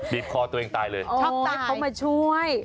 บีบคอตัวเองตายเลย